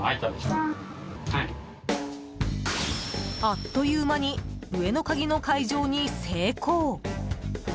あっという間に上の鍵の解錠に成功。